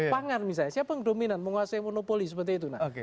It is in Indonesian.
pangan misalnya siapa yang dominan menguasai monopoli seperti itu